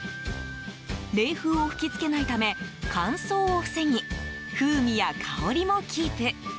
冷風を吹き付けないため乾燥を防ぎ風味や香りもキープ。